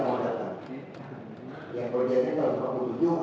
nah yang ketujuh